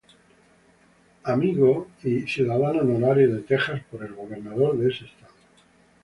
Amigo" y "Ciudadano Honorario" de Texas por el gobernador de ese estado.